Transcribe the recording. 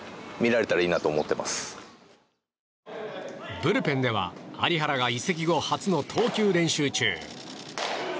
ブルペンでは有原が移籍後初の投球練習中。